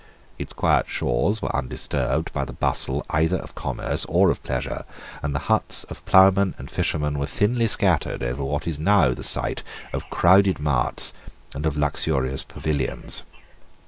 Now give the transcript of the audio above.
Its quiet shores were undisturbed by the bustle either of commerce or of pleasure and the huts of ploughmen and fishermen were thinly scattered over what is now the site of crowded marts and of luxurious pavilions.